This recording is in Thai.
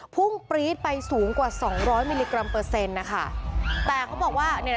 พุ่งปรี๊ดไปสูงกว่าสองร้อยมิลลิกรัมเปอร์เซ็นต์นะคะแต่เขาบอกว่าเนี่ย